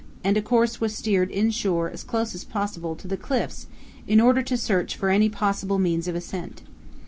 and a course was steered inshore as close as possible to the cliffs in order to search for any possible means of ascent.